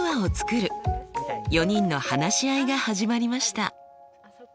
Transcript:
４人の話し合いが始まりました。